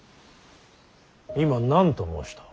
今何と申した。